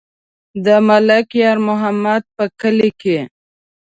د ملک یار محمد په کلي کې.